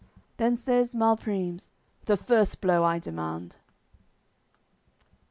Then says Malprimes: "The first blow I demand."